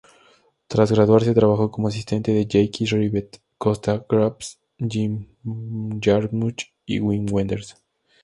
Tras graduarse, trabajó como asistente de Jacques Rivette, Costa-Gavras, Jim Jarmusch y Wim Wenders.